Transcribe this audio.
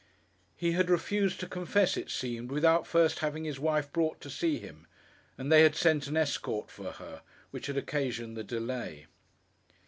He had refused to confess, it seemed, without first having his wife brought to see him; and they had sent an escort for her, which had occasioned the delay.